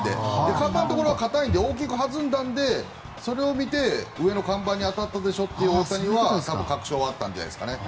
看板のところが硬いので大きく弾んだので、それを見て上の看板に当たったでしょって大谷は確証はあったんじゃないんですかね。